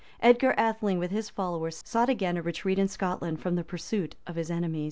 Edgar Atheling, with his followers, sought again a retreat in Scotland from the pursuit of his enemies.